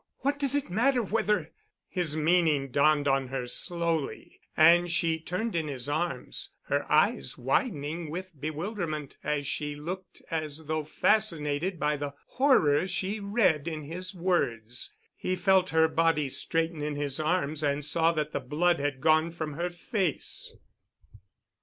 What does it matter whether——" His meaning dawned on her slowly, and she turned in his arms, her eyes widening with bewilderment as she looked as though fascinated by the horror she read in his words. He felt her body straighten in his arms and saw that the blood had gone from her face.